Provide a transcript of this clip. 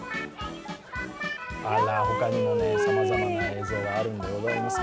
他にもさまざまな映像があるんでございますが。